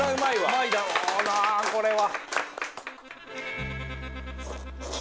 うまいだろうなこれは。